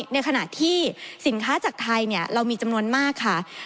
ในขณะที่สินค้าจากไทยเรามีจำนวนมากค่ะ